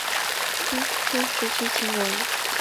春秋时期秦国人。